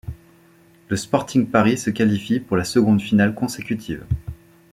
Le Sporting Paris se qualifie pour sa seconde finale consécutive.